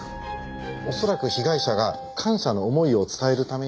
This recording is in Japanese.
恐らく被害者が感謝の思いを伝えるために。